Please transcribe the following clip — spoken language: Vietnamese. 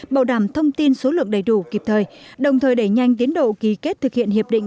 bảo đảm thông tin số lượng đầy đủ kịp thời đồng thời đẩy nhanh tiến độ ký kết thực hiện hiệp định